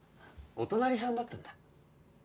お隣さんだったんだ。